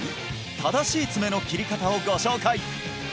正しい爪の切り方をご紹介！